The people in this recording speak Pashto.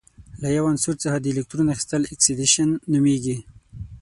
له یو عنصر څخه د الکترون اخیستل اکسیدیشن نومیږي.